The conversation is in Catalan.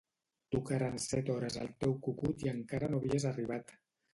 Tocaren set hores al teu cucut i encara no havies arribat.